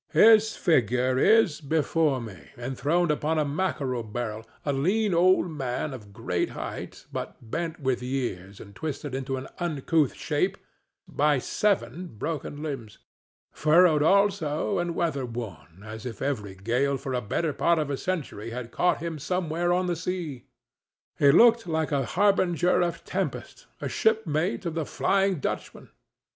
His figure is before me now enthroned upon a mackerel barrel—a lean old man of great height, but bent with years and twisted into an uncouth shape by seven broken limbs; furrowed, also, and weatherworn, as if every gale for the better part of a century had caught him somewhere on the sea. He looked like a harbinger of tempest—a shipmate of the Flying Dutchman.